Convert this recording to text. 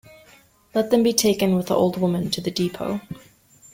Let them be taken with the old woman to the depot.